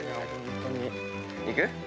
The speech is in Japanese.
行く？